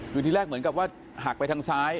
คือที่แรกเหมือนกับว่าหักไปทางซ้าย